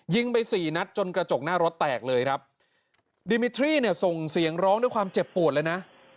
ไปสี่นัดจนกระจกหน้ารถแตกเลยครับดิมิทรี่เนี่ยส่งเสียงร้องด้วยความเจ็บปวดเลยนะ